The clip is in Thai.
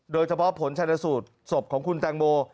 โดยเฉพาะผลชนสูตรศพของคุณแตงโม